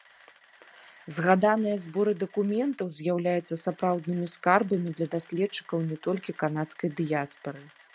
Згаданыя зборы дакументаў з'яўляюцца сапраўднымі скарбамі для даследчыкаў не толькі канадскай дыяспары.